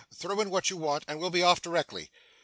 Throw in what you want, and we'll be off directly.